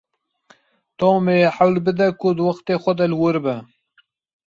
Tom dê hewl bide ku di wextê xwe de li wir be.